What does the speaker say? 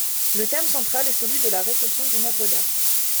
Le thème central est celui de la réception d'une œuvre d'art.